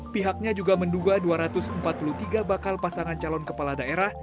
pihaknya juga menduga dua ratus empat puluh tiga bakal pasangan calon kepala daerah